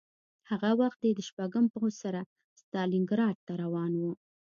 هغه وخت دی د شپږم پوځ سره ستالینګراډ ته روان و